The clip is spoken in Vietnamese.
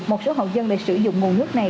một số hộ dân lại sử dụng nguồn nước này